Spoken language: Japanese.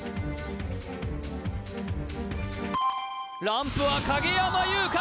ランプは影山優佳